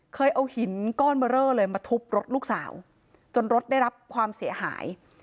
เคยเอาหินก้อนเบอร์เรอเลยมาทุบรถลูกสาวจนรถได้รับความเสียหาย